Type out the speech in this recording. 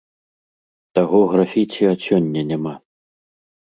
Таго графіці ад сёння няма!